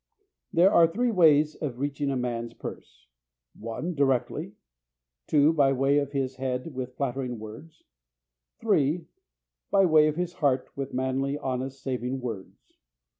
There are three ways of reaching a man's purse: (1) Directly. (2) By way of his head with flattering words. (3) By way of his heart with manly, honest, saving words.